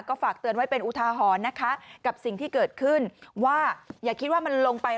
ก็ฝากเตือนไว้เป็นอุทาหรณ์นะคะกับสิ่งที่เกิดขึ้นว่าอย่าคิดว่ามันลงไป